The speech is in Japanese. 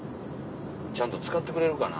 ちゃんと使ってくれるかな？